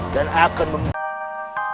dan akan membunuhmu